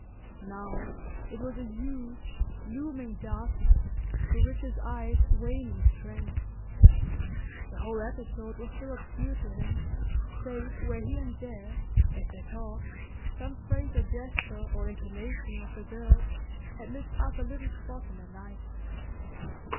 Now it was a huge looming darkness, through which his eyes vainly strained. The whole episode was still obscure to him, save where here and there, as they talked, some phrase or gesture or intonation of the girl's had lit up a little spot in the night.